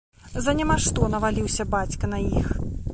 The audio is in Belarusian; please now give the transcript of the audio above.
За няма што наваліўся бацька на іх.